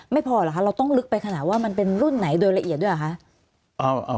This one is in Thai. พอเหรอคะเราต้องลึกไปขนาดว่ามันเป็นรุ่นไหนโดยละเอียดด้วยเหรอคะ